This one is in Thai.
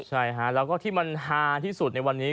ใช่ฮะแล้วก็ที่มันฮาที่สุดในวันนี้